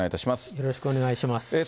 よろしくお願いします。